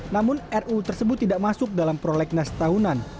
namun ruu tersebut tidak masuk dalam prolegnas tahunan